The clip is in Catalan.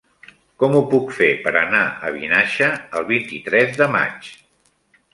Com ho puc fer per anar a Vinaixa el vint-i-tres de maig?